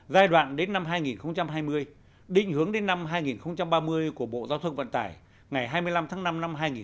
giai đoạn đến năm hai nghìn hai mươi định hướng đến năm hai nghìn ba mươi của bộ giao thông vận tải ngày hai mươi năm tháng năm năm hai nghìn hai mươi